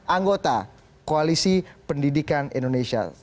anggota koalisi pendidikan indonesia